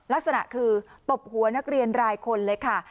ลักษณะคือตบหัวนักเรียนรายคนเลยค่ะ